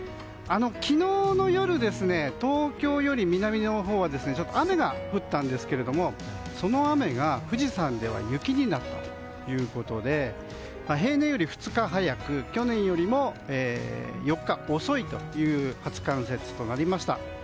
昨日の夜、東京より南のほうはちょっと雨が降ったんですがその雨が富士山では雪になったということで平年より２日早く去年よりも４日遅いという初冠雪となりました。